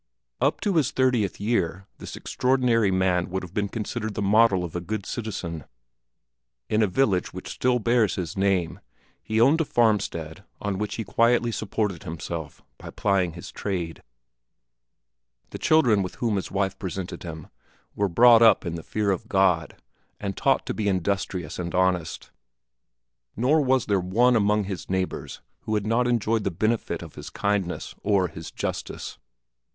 Up to his thirtieth year this extraordinary man would have been considered the model of a good citizen. In a village which still bears his name, he owned a farmstead on which he quietly supported himself by plying his trade. The children with whom his wife presented him were brought up in the fear of God, and taught to be industrious and honest; nor was there one among his neighbors who had not enjoyed the benefit of his kindness or his justice.